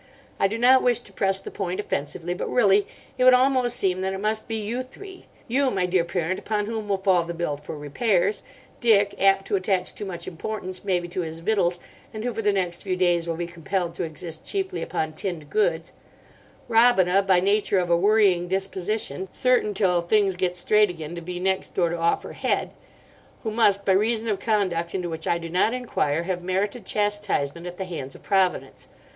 I do not wish to press the point offensively, but really it would almost seem that it must be you three—you, my dear parent, upon whom will fall the bill for repairs; Dick, apt to attach too much importance, maybe, to his victuals, and who for the next few days will be compelled to exist chiefly upon tinned goods; Robina, by nature of a worrying disposition, certain till things get straight again to be next door to off her head—who must, by reason of conduct into which I do not enquire, have merited chastisement at the hands of Providence.